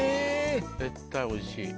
・絶対おいしい。